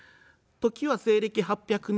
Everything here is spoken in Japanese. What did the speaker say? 「時は西暦８００年